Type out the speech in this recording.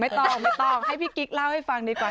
ไม่ต้องให้พี่กิ๊กเล่าให้ฟังดีกว่า